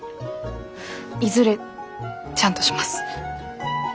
いずれちゃんとします。